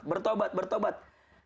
bertaubat bertaubat bertaubat